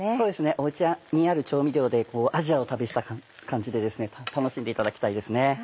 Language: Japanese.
お家にある調味料でアジアを旅した感じで楽しんでいただきたいですね。